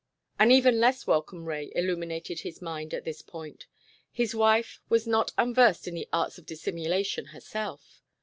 An even less welcome ray illuminated his mind at this point. His wife was not unversed in the arts of dissimulation herself.